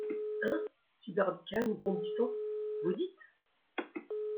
Hein ! fit Barbicane, bondissant, vous dites !